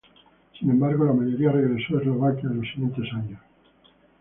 Sin embargo la mayoría regresó a Eslovaquia en los siguientes años.